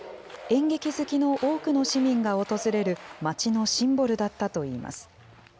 演劇好きの多くの市民が訪れる街のシンボルだったといいます。